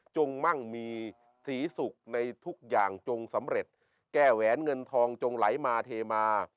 มั่งมีศรีสุขในทุกอย่างจงสำเร็จแก้แหวนเงินทองจงไหลมาเทมา